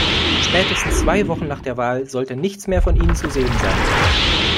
Spätestens zwei Wochen nach der Wahl sollte nichts mehr von ihnen zu sehen sein.